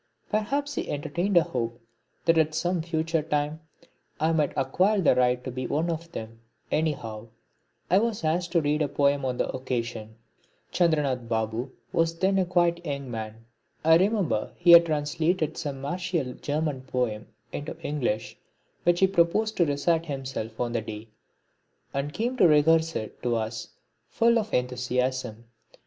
Perhaps he entertained a hope that at some future time I might acquire the right to be one of them; anyhow I was asked to read a poem on the occasion. Chandranath Babu was then quite a young man. I remember he had translated some martial German poem into English which he proposed to recite himself on the day, and came to rehearse it to us full of enthusiasm.